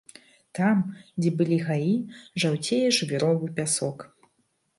Там, дзе былі гаі, жаўцее жвіровы пясок.